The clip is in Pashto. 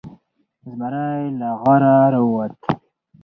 زمری له غاره راووته.